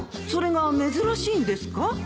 それが珍しいんですか？